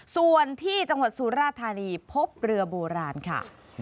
ส่วนที่จังหวัดสุราธานีพบเรือโบราณค่ะ